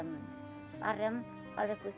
mbak pariem menderita allah